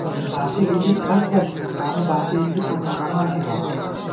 باتی ہِلِک کھڅ نہ تھنی تانُو باتِیَہ ݪی خومےبمان تِوَہ